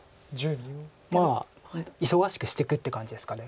まあ忙しくしていくって感じですか。